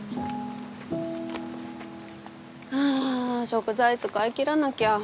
あ食材使い切らなきゃ。